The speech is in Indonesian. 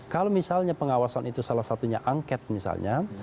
kalau misalnya pengawasan itu salah satunya angket misalnya